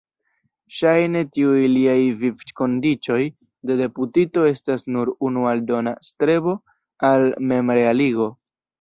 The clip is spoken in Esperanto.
Ŝajne tiuj liaj vivkondiĉoj de deputito estas nur unu aldona strebo al memrealigo.